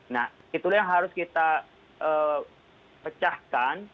nah itulah yang harus kita pecahkan